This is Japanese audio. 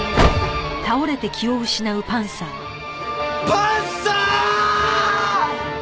パンサー！